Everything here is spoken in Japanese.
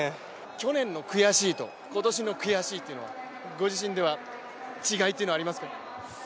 去年の悔しいと今年の悔しいでは、ご自身では違いはありますか？